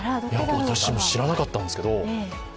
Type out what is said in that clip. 私も知らなかったんですけど。